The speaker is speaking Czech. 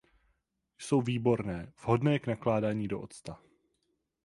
Jsou výborné vhodné k nakládání do octa.